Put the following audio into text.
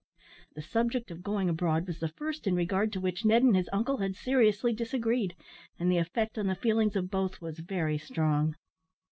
The subject of going abroad was the first in regard to which Ned and his uncle had seriously disagreed, and the effect on the feelings of both was very strong.